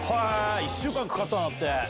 １週間かかったんだって。